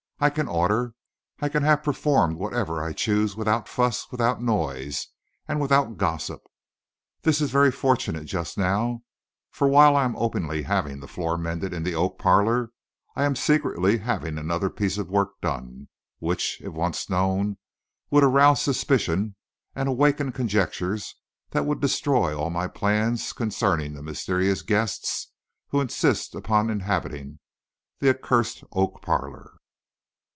I can order, I can have performed whatever I choose, without fuss, without noise, and without gossip. This is very fortunate just now, for while I am openly having the floor mended in the oak parlor, I am secretly having another piece of work done, which, if once known, would arouse suspicions and awaken conjectures that would destroy all my plans concerning the mysterious guests who insist upon inhabiting the accursed oak parlor.